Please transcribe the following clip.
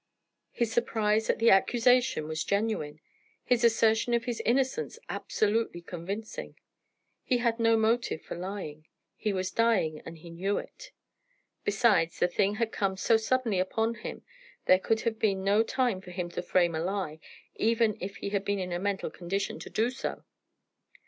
His surprise at the accusation was genuine; his assertion of his innocence absolutely convincing; he had no motive for lying; he was dying, and he knew it. Besides, the thing had come so suddenly upon him there could have been no time for him to frame a lie, even if he had been in a mental condition to do so.